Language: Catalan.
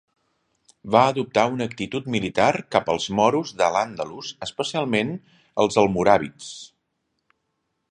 Va adoptar una actitud militar cap als moros d'Al-Àndalus, especialment els almoràvits.